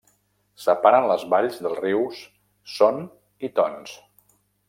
Separen les valls dels rius Son i Tons.